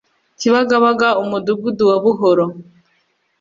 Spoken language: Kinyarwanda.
Kibagabaga Umudugudu wa Buhoro